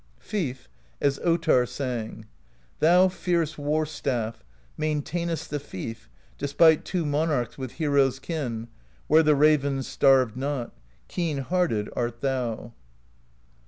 Fief, as Ottarr sang : Thou, fierce War Staff, maintainedst The Hef despite two Monarchs With heroes' kin, where the ravens Starved not; keen hearted art thou.